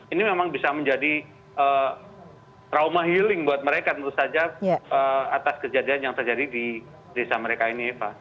ini memang bisa menjadi trauma healing buat mereka tentu saja atas kejadian yang terjadi di desa mereka ini eva